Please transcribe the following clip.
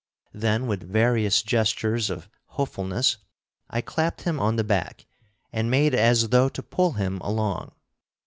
Then, with various gestures of hopefulness, I clapped him on the back, and made as though to pull him along.